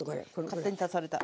勝手に足された。